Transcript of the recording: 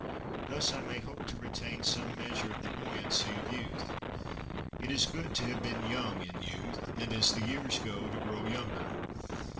Thus may I hope to retain some measure of the buoyancy of youth. It is good to have been young in youth, and, as the years go, to grow younger.